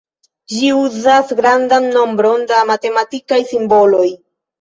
Ĝi uzas grandan nombron da matematikaj simboloj.